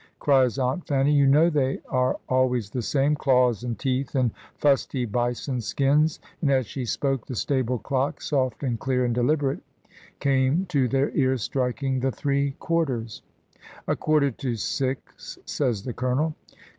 cries Aunt Fanny. "You know they are always the same — daws, and teeth, and fusty bison skins," and as she spoke the stable clock, soft and dear and deliberate, came to their ears, striking the three quarters. "A quarter to six," sa3rs the Colonel.